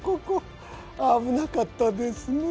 危なかったですね。